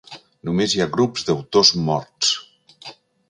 Només hi ha grups d'autors morts.